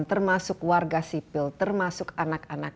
termasuk warga sipil termasuk anak anak